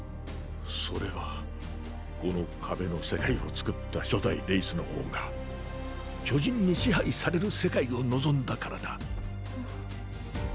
それはこの壁の世界を創った初代レイスの王が巨人に支配される世界を望んだからだ。